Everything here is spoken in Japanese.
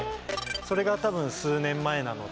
それが多分数年前なので。